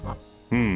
うん。